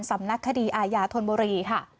สำนักคดีอาญาธนบุรีค่ะ